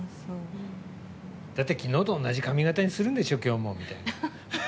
だって、昨日と同じ髪形にするんでしょ、今日もって。